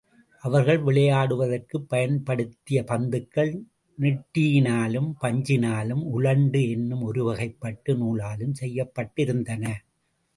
அவர்கள் விளையாடுவதற்குப் பயன்படுத்திய பந்துகள் நெட்டியினாலும், பஞ்சினாலும், உலண்டு உன்னும் ஒருவகைப்பட்டு நூலாலும் செய்யப்பட்டிருந்தன.